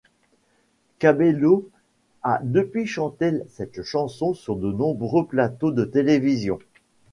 Cabello a depuis chanté cette chanson sur de nombreux plateaux de télévision.